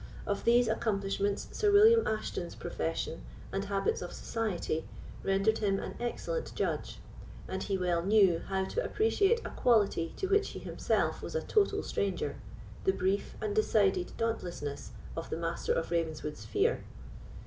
Of these accomplishments Sir William Ashton's profession and habits of society rendered him an excellent judge; and he well knew how to appreciate a quality to which he himself was a total stranger—the brief and decided dauntlessness of the Master of Ravenswood's fear.